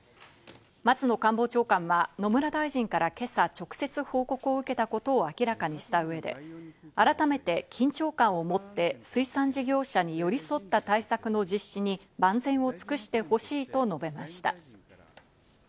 松野官房長官は野村大臣から今朝、直接報告を受けたことを明らかにした上で、改めて緊張感を持って水産事業者に寄り添った対策の実施に万全を尽くしてほしいと述べました。